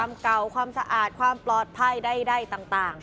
ความเก่าความสะอาดความปลอดภัยใดต่าง